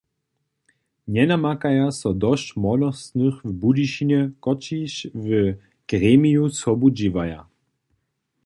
Njenamakaja so dosć młodostnych w Budyšinje, kotřiž w gremiju sobu dźěłaja.